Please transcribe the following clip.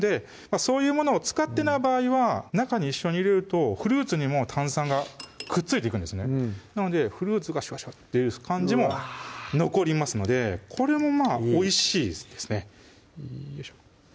そういうものを使ってない場合は中に一緒に入れるとフルーツにも炭酸がくっついていくんですねなのでフルーツがシュワシュワッていう感じも残りますのでこれもおいしいですねよいしょ